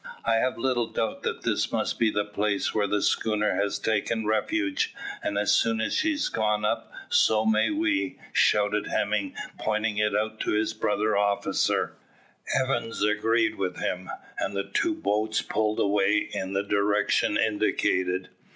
"I have little doubt that this must be the place where the schooner has taken refuge; and as she has gone up, so may we," shouted Hemming, pointing it out to his brother officer. Evans agreed with him, and the two boats pulled away in the direction indicated.